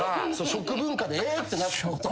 食文化でえーってなったこと。